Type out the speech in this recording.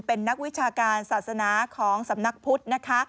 เป็นนักวิชาการศาสนาของสำนักพุทธนะคะ